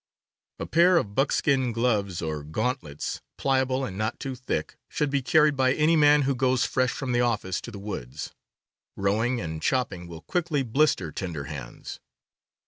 A pair of buckskin gloves or gauntlets, pliable and not too thick, should be carried by any man who goes p. fresh from the office to the woods. Rowing and chopping will quickly blis ter tender hands.